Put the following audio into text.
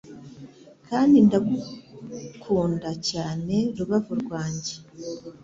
kandi ndagukunda cyane rubavu rwanjye